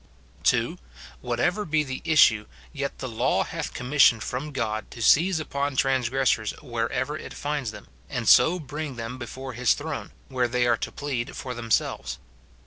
[2.] Whatever be the issue, yet the law hath commis sion from God to seize upon transgressors wherever it finds them, and so bring them before his throne, where they are to plead for themselves.